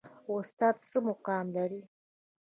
استاد څه مقام لري؟